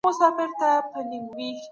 فارابي یو لوی مسلمان فیلسوف و.